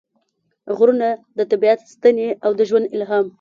غرونه – د طبیعت ستنې او د ژوند الهام